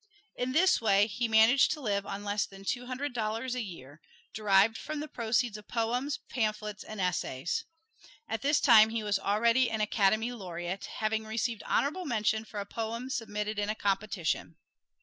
In this way he managed to live on less than two hundred dollars a year, derived from the proceeds of poems, pamphlets and essays. At this time he was already an "Academy Laureate," having received honorable mention for a poem submitted in a competition.